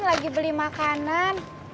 lagi beli makanan